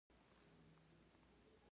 د نوموړې په وینا د دې لامل دا دی چې